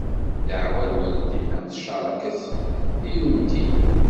Ddeɛɛa lwaldin, am tceṛket i undin.